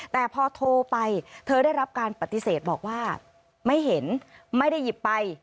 แต่พอโทรไปเธอได้รับการปฏิเสธบอกว่าไม่เห็นไม่ได้หยิบไป